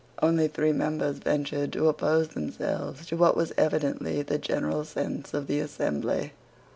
Only three members ventured to oppose themselves to what was evidently the general sense of the assembly.